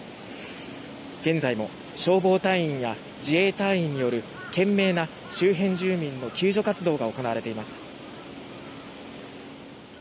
現在も消防隊員や自衛隊員による懸命な周辺住民の救助活動が行われています。